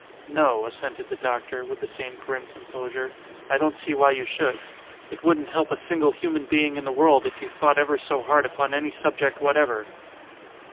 "No," assented the doctor, with the same grim composure. "I don't see why you should. It wouldn't help a single human being in the world if you thought ever so hard upon any subject whatever."